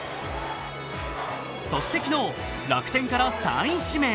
そして昨日、楽天から３位指名。